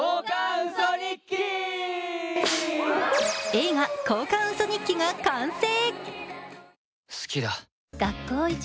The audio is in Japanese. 映画「交換ウソ日記」が完成。